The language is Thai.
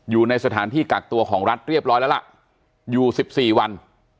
อยู่ในสถานที่กักตัวของรัฐเรียบร้อยแล้วล่ะอยู่๑๔วัน